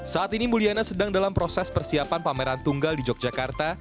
saat ini mulyana sedang dalam proses persiapan pameran tunggal di yogyakarta